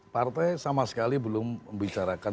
partai sama sekali belum membicarakan